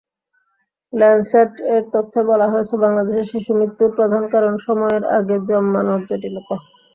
ল্যানসেট-এর তথ্যে বলা হয়েছে, বাংলাদেশে শিশুমৃত্যুর প্রধান কারণ সময়ের আগে জন্মানোর জটিলতা।